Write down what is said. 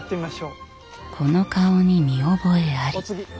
この顔に見覚えあり。